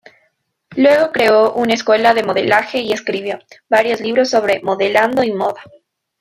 Luego creó una escuela de modelaje y escribió varios libros sobre modelado y moda.